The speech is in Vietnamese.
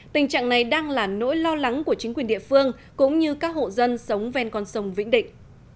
tình trạng này đang là nỗi lo lắng của chính quyền địa phương cũng như các hộ dân sống ven con sông vĩnh định